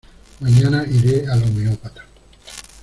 Mañana iré al homeópata.